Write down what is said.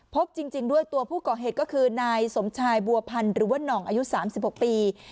พบจริงด้วยตัวผู้ก่อเหตุก็คือนายสมชายบัวพันธ์หรือว่าน่องอายุ๓๖ปี